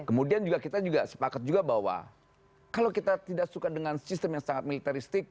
kemudian kita juga sepakat juga bahwa kalau kita tidak suka dengan sistem yang sangat militaristik